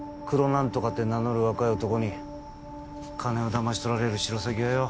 なんとかって名乗る若い男に金をだまし取られるシロサギがよ